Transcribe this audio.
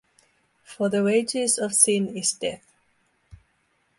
for the wages of sin is death